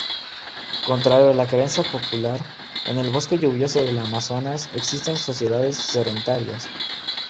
Contrario a la creencia popular, en el bosque lluvioso del Amazonas existieron sociedades sedentarias.